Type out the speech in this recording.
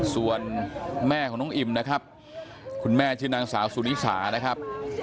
ส่วนแม่ของน้องอิ่มนะครับคุณแม่ชื่อนางสาวสุนิสานะครับ